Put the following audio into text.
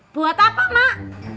buat apa emak